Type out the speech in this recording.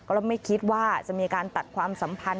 ก็ไม่คิดว่าจะมีการตัดความสัมพันธ